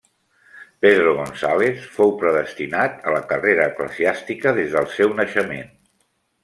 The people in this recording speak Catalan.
Pedro González fou predestinat a la carrera eclesiàstica des del seu naixement.